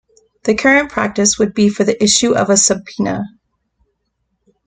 The current practice would be for the issue of a subpoena.